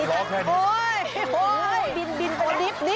อ่อรีบรีบเมื่อกี๊